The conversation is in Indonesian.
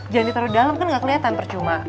jangan ditaruh dalam kan gak kelihatan percuma